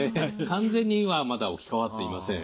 完全にはまだ置き換わっていません。